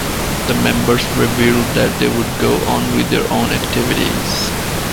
The members revealed that they would go on with their own activities.